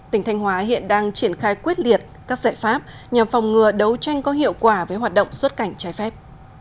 tỉnh thanh hóa hiện đang triển khai quyết liệt các giải pháp nhằm phòng ngừa đấu tranh có hiệu quả với hoạt động xuất cảnh trái phép